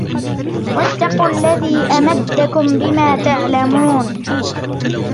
وَاتَّقُوا الَّذِي أَمَدَّكُمْ بِمَا تَعْلَمُونَ